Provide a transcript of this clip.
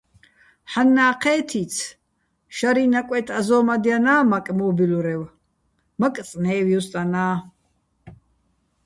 ჰ̦ანნა́ ჴე́თიც, შარიჼ ნაკვეთ აზო́მადჲანა́ მაკე̆ მო́ბილურევ, მაკე̆ წნე́ვ ჲუსტანა́.